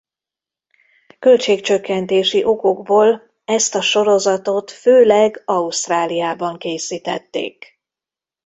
Költségcsökkentési okokból ezt a sorozatot főleg Ausztráliában készítették.